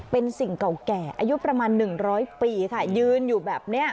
เป็นสิ่งเก่าแก่อายุประมาณหนึ่งร้อยปีค่ะยืนอยู่แบบเนี้ย